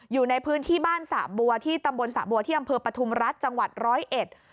อยู่ในพื้นที่บ้านสระบัวที่ตำบลสระบัวที่อำเภอปฐุมรัฐจังหวัดร้อยเอ็ด